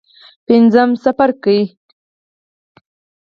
پنځم څپرکی.